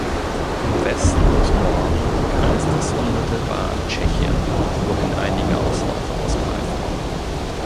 Im Westen und Norden grenzt es unmittelbar an Tschechien, wohin einige Ausläufer ausgreifen.